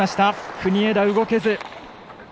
国枝、動けず。